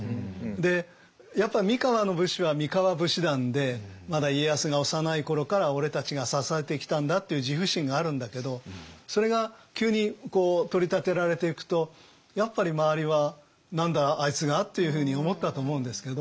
でやっぱり三河の武士は三河武士団でまだ家康が幼い頃から俺たちが支えてきたんだっていう自負心があるんだけどそれが急に取り立てられていくとやっぱり周りは「何だあいつが」というふうに思ったと思うんですけど。